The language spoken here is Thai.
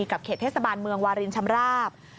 เขตเทศบาลเมืองวารินชำราบ